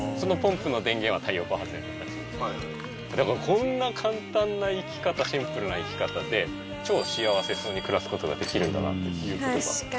こんな簡単な生き方シンプルな生き方で超幸せに暮らす事ができるんだなっていう事がわかった。